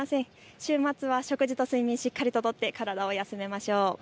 週末は食事と睡眠をしっかりとって、体を休めましょう。